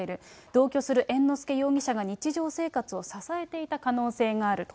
同居する猿之助容疑者が日常生活を支えていた可能性があると。